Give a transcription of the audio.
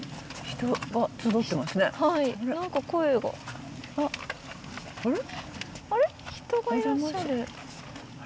人がいらっしゃる。